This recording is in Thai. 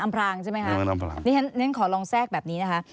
อำพลางใช่ไหมครับอำพลางนี่ฉะนั้นขอลองแทรกแบบนี้นะคะ